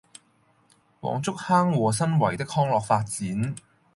黃竹坑和新圍的康樂發展